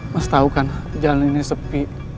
mas tahu kan jalan ini sepi